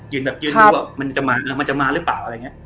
ยืนรู้ว่ามันจะมาหรือเปล่า